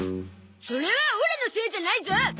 それはオラのせいじゃないゾ。